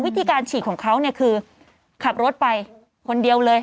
วิธีการฉีดของเขาเนี่ยคือขับรถไปคนเดียวเลย